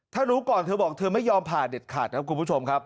ถ้ารู้ก่อนเธอบอกเธอไม่ยอมผ่าเด็ดขาดครับคุณผู้ชมครับ